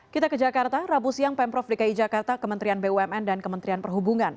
kita ke jakarta rabu siang pemprov dki jakarta kementerian bumn dan kementerian perhubungan